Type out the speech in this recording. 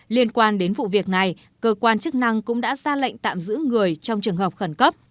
liên quan đến vụ việc này cơ quan chức năng cũng đã ra lệnh tạm giữ người trong trường hợp khẩn cấp